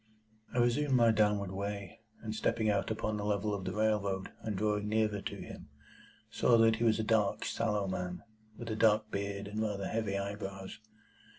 I resumed my downward way, and stepping out upon the level of the railroad, and drawing nearer to him, saw that he was a dark, sallow man, with a dark beard and rather heavy eyebrows.